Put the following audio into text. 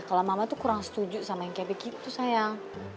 kalau mama tuh kurang setuju sama yang kayak begitu sayang